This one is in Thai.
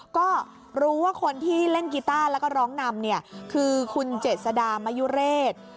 ก็รู้ว่าคนที่เล่นกีต้าแล้วก็ร้องนำเนี่ยคือคุณเจษดามยุเรศ